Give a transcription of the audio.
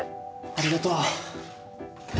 ありがとう。